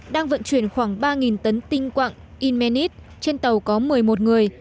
đang vận chuyển khoảng ba tấn tinh quặng init trên tàu có một mươi một người